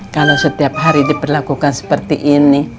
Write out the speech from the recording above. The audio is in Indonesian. kalau setiap hari diperlakukan seperti ini